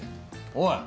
おい！